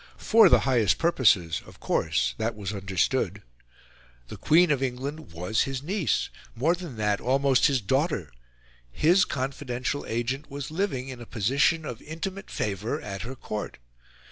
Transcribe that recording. For the highest purposes, of course; that was understood. The Queen of England was his niece more than that almost his daughter; his confidential agent was living, in a position of intimate favour, at her court.